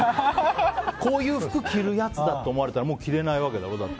こういう服着るやつだって思われたらもう着れないわけだろ。